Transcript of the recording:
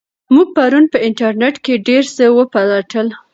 موږ پرون په انټرنیټ کې ډېر څه وپلټل.